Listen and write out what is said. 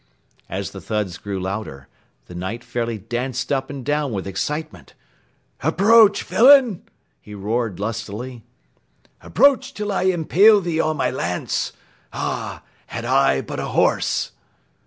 As the thuds grew louder, the Knight fairly danced up and down with excitement. "Approach, villain!" he roared lustily. "Approach till I impale thee on my lance. Ah, had I but a horse!"